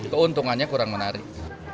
keuntungannya kurang menarik